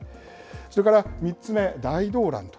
それから３つ目、大動乱と。